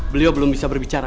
beliau belum bisa berbicara